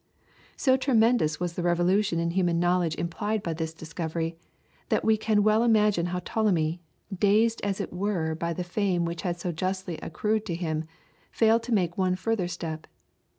So tremendous was the revolution in human knowledge implied by this discovery, that we can well imagine how Ptolemy, dazzled as it were by the fame which had so justly accrued to him, failed to make one further step.